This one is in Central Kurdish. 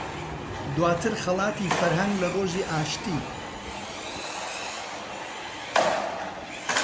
دواتر خەڵاتی فەرهەنگ لە ڕۆژی ئاشتی